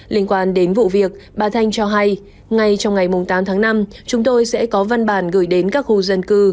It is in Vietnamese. liên quan đến vụ việc bà thanh cho hay ngay trong ngày tám tháng năm chúng tôi sẽ có văn bản gửi đến các khu dân cư